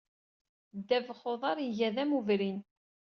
Ddabax n uḍar iga d amubrin.